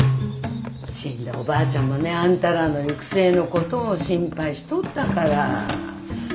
死んだおばあちゃんもねあんたらの行く末のことを心配しとったから。